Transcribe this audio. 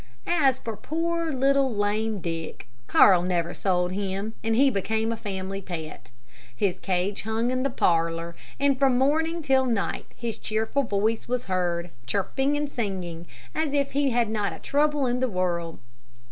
As for poor, little, lame Dick, Carl never sold him, and he became a family pet. His cage hung in the parlor, and from morning till night his cheerful voice was heard, chirping and singing as if he had not a trouble in the world.